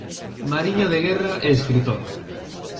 Mariño de guerra e escritor.